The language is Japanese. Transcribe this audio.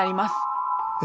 え？